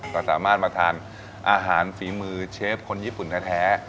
ก็สามารถมาทานอาหารฝีมือเชฟคนญี่ปุ่นแท้